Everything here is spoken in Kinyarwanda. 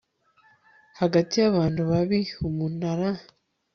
hagati y'abantu babi umunara